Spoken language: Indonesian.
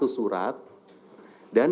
dan dikirimkan ke aph